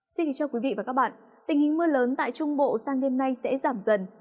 xin kính chào quý vị và các bạn tình hình mưa lớn tại trung bộ sang đêm nay sẽ giảm dần